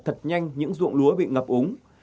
thật nhanh những ruộng lúa bị ngập úng